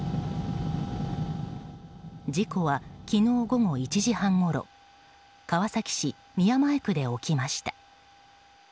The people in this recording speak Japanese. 事故は昨日午後１時半ごろ川崎市宮前区で起きました。